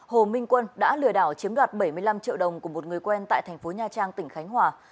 hồ minh quân đã lừa đảo chiếm đoạt bảy mươi năm triệu đồng của một người quen tại thành phố nha trang tỉnh khánh hòa